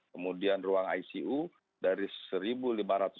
kemudian ruang icu dari satu lima ratus dua belas terpakai satu empat ratus delapan belas